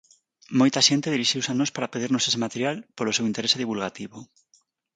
Moita xente dirixiuse a nós para pedirnos ese material polo seu interese divulgativo.